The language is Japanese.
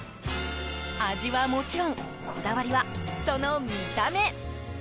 味はもちろんこだわりはその見た目。